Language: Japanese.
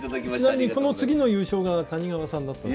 ちなみにこの次の優勝が谷川さんだった。